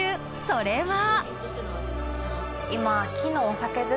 それは。